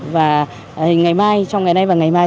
và ngày mai trong ngày nay và ngày mai